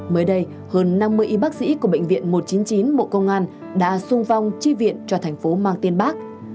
mới đây hơn năm mươi y bác sĩ của bệnh viện một trăm chín mươi chín bộ công an đã sung phong chi viện cho thành phố mang tiên bác